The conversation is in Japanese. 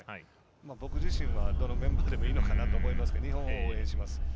僕自身はどのメンバーでもいいのかなと思いますけど日本を応援します。